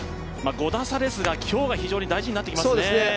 ５打差ですが今日が非常に大事になってきますね。